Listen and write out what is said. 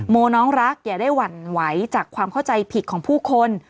โมน้องรักอย่าได้หวั่นไหวจากความเข้าใจผิดของผู้คน